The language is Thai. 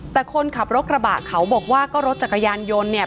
แต่คนขับรถกระบะเขาบอกว่าก็รถจักรยานยนต์เนี่ย